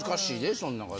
その中で。